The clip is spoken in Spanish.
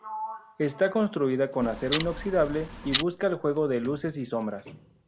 Está construida con acero inoxidable y busca el juego de luces y sombras.